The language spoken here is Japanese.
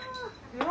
うわ！